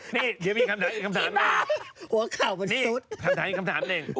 นี่เดี๋ยวมีอีกคำถาม